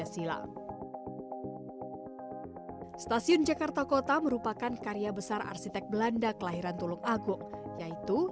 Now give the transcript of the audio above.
stasiun jakarta kota merupakan karya besar arsitek belanda kelahiran tulung agung yaitu